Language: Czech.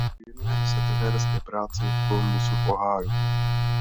Věnuje se trenérské práci v Columbusu v Ohio.